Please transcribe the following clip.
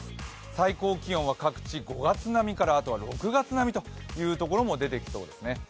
最高気温は各地５月並みから６月並みというところも出てきそうですね。